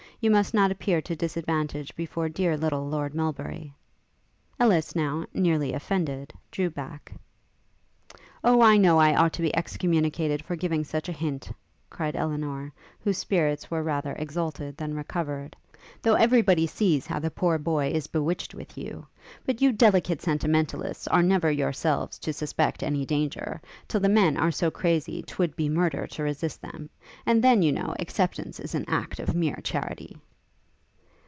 You must not appear to disadvantage before dear little Lord Melbury.' Ellis now, nearly offended, drew back. 'O, I know I ought to be excommunicated for giving such a hint,' cried Elinor, whose spirits were rather exalted than recovered; 'though every body sees how the poor boy is bewitched with you: but you delicate sentimentalists are never yourselves to suspect any danger, till the men are so crazy 'twould be murder to resist them; and then, you know, acceptance is an act of mere charity.'